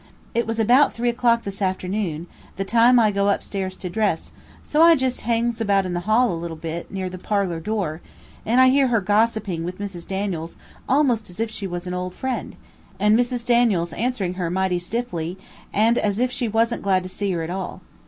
"It was about three o'clock this afternoon, the time I go up stairs to dress, so I just hangs about in the hall a bit, near the parlor door, and I hear her gossiping with Mrs. Daniels almost as if she was an old friend, and Mrs. Daniels answering her mighty stiffly and as if she was'nt glad to see her at all.